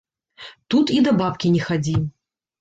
Тут і да бабкі не хадзі.